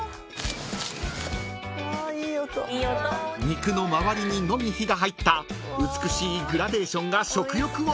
［肉の周りにのみ火が入った美しいグラデーションが食欲をそそる］